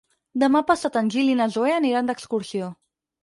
Demà passat en Gil i na Zoè aniran d'excursió.